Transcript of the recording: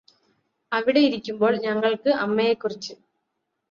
അവിടെ ഇരിക്കുമ്പോള് ഞങ്ങള്ക്ക് അമ്മയെക്കുറിച്ച്